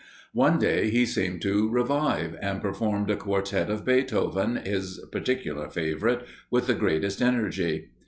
One day he seemed to revive, and performed a quartett of Beethoven, his particular favourite, with the greatest energy.